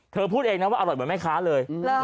พูดเองนะว่าอร่อยเหมือนแม่ค้าเลย